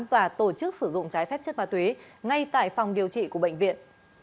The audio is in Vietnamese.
và tổ chức sử dụng trái phép chất ma túy ngay tại phòng điều trị của bệnh viện